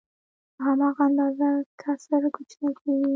په هماغه اندازه کسر کوچنی کېږي